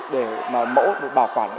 để mẫu được bảo quản